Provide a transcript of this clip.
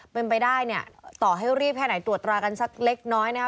เป็นไปได้เนี่ยต่อให้รีบแค่ไหนตรวจตรากันสักเล็กน้อยนะคะ